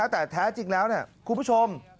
แต่แท้จริงแล้วคุณผู้ชม